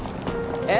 えっ？